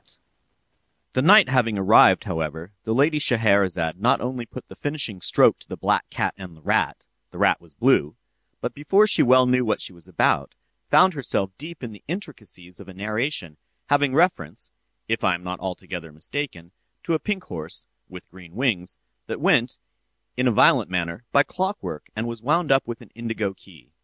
The night having arrived, however, the lady Scheherazade not only put the finishing stroke to the black cat and the rat (the rat was blue) but before she well knew what she was about, found herself deep in the intricacies of a narration, having reference (if I am not altogether mistaken) to a pink horse (with green wings) that went, in a violent manner, by clockwork, and was wound up with an indigo key.